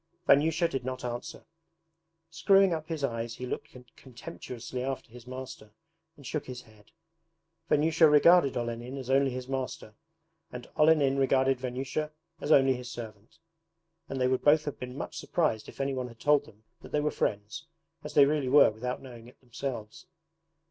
Vanyusha did not answer. Screwing up his eyes he looked contemptuously after his master, and shook his head. Vanyusha regarded Olenin as only his master, and Olenin regarded Vanyusha as only his servant; and they would both have been much surprised if anyone had told them that they were friends, as they really were without knowing it themselves.